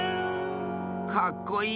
かっこいい。